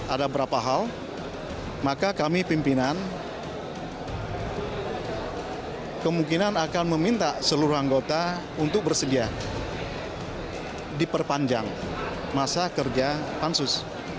ada beberapa hal maka kami pimpinan kemungkinan akan meminta seluruh anggota untuk bersedia diperpanjang masa kerja pansus